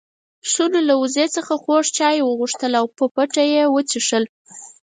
پسونو له وزې څخه خوږ چای وغوښتل او په پټه يې وڅښل.